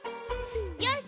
よし！